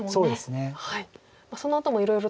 そのあともいろいろと。